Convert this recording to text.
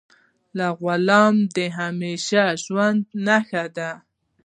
له غلام د همیشه ژوند نه ښه دی.